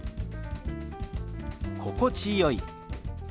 「心地よい」。